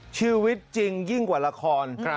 ชีวิตจริงยิ่งกว่าละคร